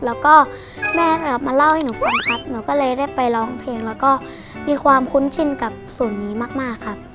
แล้วก็แม่มาเล่าให้หนูฟังครับหนูก็เลยได้ไปร้องเพลงแล้วก็มีความคุ้นชินกับศูนย์นี้มากครับ